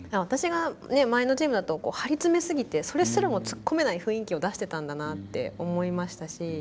私が前のチームだと張り詰めすぎてそれすらも突っ込めない雰囲気を出してたんだなって思いましたし。